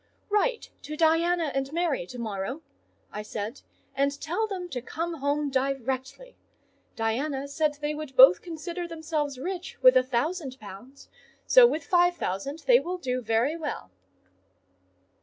"Write to Diana and Mary to morrow," I said, "and tell them to come home directly. Diana said they would both consider themselves rich with a thousand pounds, so with five thousand they will do very well."